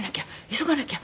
急がなきゃ！